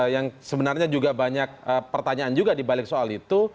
yang sebenarnya juga banyak pertanyaan juga dibalik soal itu